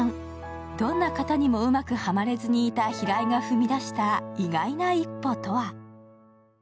どんな型にもうまくはまれずにいた平井が踏み出した意外な一歩とは？